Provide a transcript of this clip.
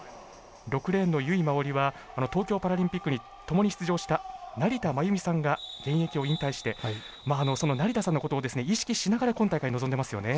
６レーンの由井真緒里は東京パラリンピックに共に出場した成田真由美さんが現役を引退してその成田さんのことを意識しながら今大会臨んでますよね。